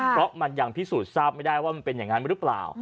เพราะมันยังพิสูจน์ทราบไม่ได้ว่ามันเป็นอย่างนั้นหรือเปล่า